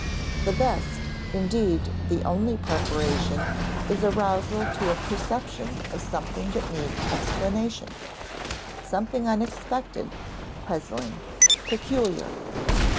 The best, indeed the only preparation is arousal to a perception of something that needs explanation, something unexpected, puzzling, peculiar.